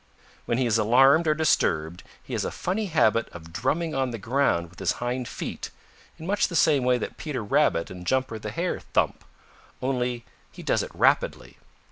"When he is alarmed or disturbed, he has a funny habit of drumming on the ground with his hind feet in much the same way that Peter Rabbit and Jumper the Hare thump, only he does it rapidly.